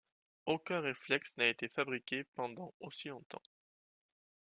Aucun reflex n'a été fabriqué pendant aussi longtemps.